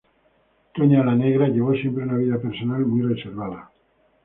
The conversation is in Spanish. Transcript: Toña la Negra llevó siempre una vida personal muy reservada.